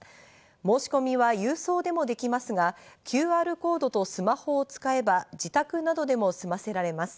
申し込みは郵送でもできますが、ＱＲコードとスマホを使えば自宅などでも済ませられます。